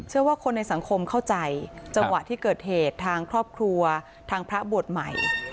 ว่าคนในสังคมเข้าใจจังหวะที่เกิดเหตุทางครอบครัวทางพระบวชใหม่